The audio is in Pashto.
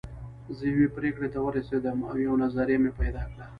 زه يوې پرېکړې ته ورسېدم او يوه نظريه مې پيدا کړه.